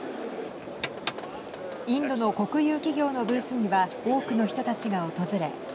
インドの国有企業のブースには多くの人たちが訪れ